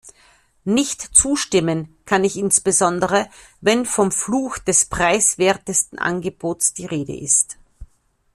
Nicht zustimmen kann ich insbesondere, wenn vom Fluch des preiswertesten Angebotes die Rede ist.